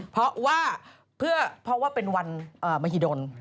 เพราะว่าเป็นวันมหิดล